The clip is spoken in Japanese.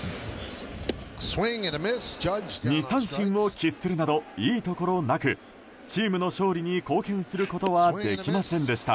２三振を喫するなどいいところなくチームの勝利に貢献することはできませんでした。